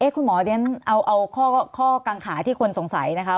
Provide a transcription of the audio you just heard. คุณหมอเรียนเอาข้อกังขาที่คนสงสัยนะคะ